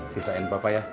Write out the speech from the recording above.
sisain papa ya